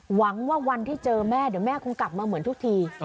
หวังว่าวันที่เจอแม่เดี๋ยวแม่คงกลับมาเหมือนทุกที